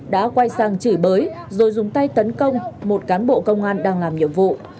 đã quay sang chửi bới rồi dùng tay tấn công một cán bộ công an đang làm nhiệm vụ